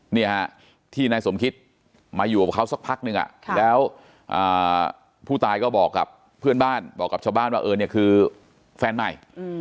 นี่ฮะที่นายสมคิดมาอยู่กับเขาสักพักนึงแล้วผู้ตายก็บอกกับเพื่อนบ้านบอกกับชาวบ้านว่าเออเนี่ยคือแฟนใหม่